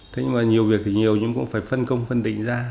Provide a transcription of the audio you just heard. thế nhưng mà nhiều việc thì nhiều nhưng cũng phải phân công phân định ra